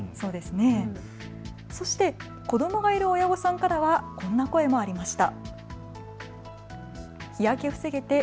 そして子どもがいる親御さんからはこんな声もありました。